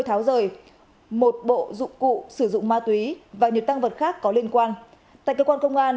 tháo rời một bộ dụng cụ sử dụng ma túy và nhiều tăng vật khác có liên quan tại cơ quan công an